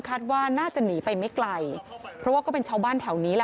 คาดว่าน่าจะหนีไปไม่ไกลเพราะว่าก็เป็นชาวบ้านแถวนี้แหละ